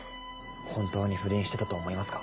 本当に不倫してたと思いますか？